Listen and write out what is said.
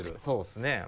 そうっすね。